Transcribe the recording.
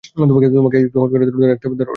তোমাকে একটু হোল্ড করে রাখতে হবে, ধরো এটা।